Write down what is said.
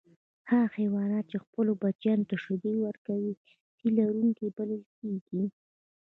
هغه حیوانات چې خپلو بچیانو ته شیدې ورکوي تی لرونکي بلل کیږي